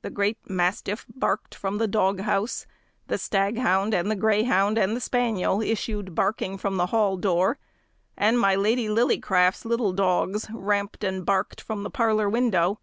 The great mastiff barked from the dog house; the staghound, and the greyhound, and the spaniel, issued barking from the Hall door, and my Lady Lillycraft's little dogs ramped and barked from the parlour window.